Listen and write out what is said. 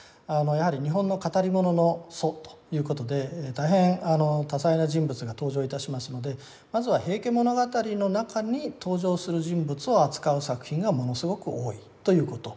やはり日本の語り物の祖ということで大変多彩な人物が登場いたしますのでまずは「平家物語」の中に登場する人物を扱う作品がものすごく多いということ。